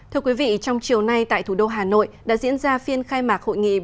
thưa quý vị trong chiều nay tại thủ đô hà nội đã diễn ra phiên khai mạc hội nghị